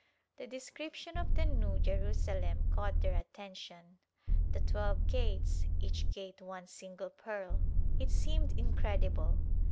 The description of the New Jerusalem caught their attention. The twelve gates, each gate one single pearl ! it seemed incredible.